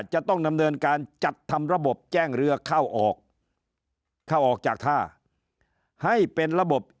จะต้องดำเนินการจัดทำระบบแจ้งเรือเข้าออกเข้าออกจากท่าให้เป็นระบบ